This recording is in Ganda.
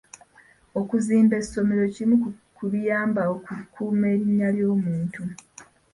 Okuzimba essomero kimu ku biyamba okukuuma erinnya ly'omuntu.